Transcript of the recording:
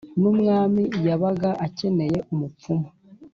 N'umwami yabaga akeneye umupfumu